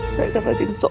saya akan rajin sholat